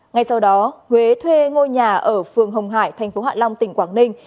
ngay sau đó huế thuê ngôi nhà ở phường hồng hải thành phố hạ long tỉnh quảng ninh